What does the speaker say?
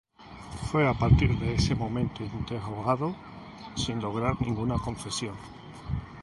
Fue a partir de ese momento interrogado, sin lograr ninguna confesión.